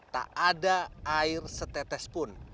tak ada air setetes pun